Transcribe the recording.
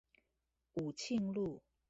武慶路